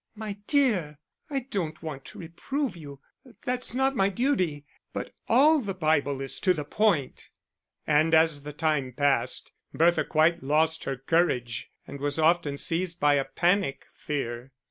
"My dear, I don't want to reprove you that's not my duty but all the Bible is to the point." And as the time passed, Bertha quite lost her courage and was often seized by a panic fear.